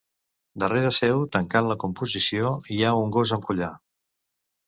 Darrere seu, tancant la composició, hi ha un gos amb collar.